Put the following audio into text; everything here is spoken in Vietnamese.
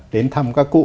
đến thăm các cụ